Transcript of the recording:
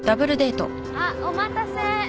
あっお待たせ。